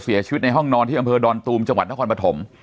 เสียชีวิตในห้องนอนที่อำเภอดอนตูมจังหวัดนครปฐม